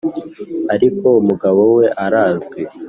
Ariko umugabo we arazwi